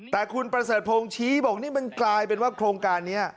แต่คุณประเสริฐพงศ์ชี้บอกนี่มันกลายเป็นว่าโครงการนี้